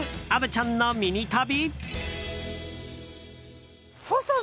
虻ちゃんのミニ旅。